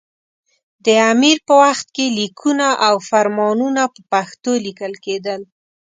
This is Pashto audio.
دې امیر په وخت کې لیکونه او فرمانونه په پښتو لیکل کېدل.